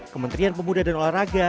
kementerian pemuda dan olahraga